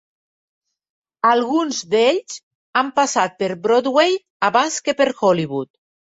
Alguns d'ells han passat per Broadway abans que per Hollywood.